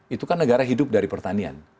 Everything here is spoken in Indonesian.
itu kan negara hidup dari pertanian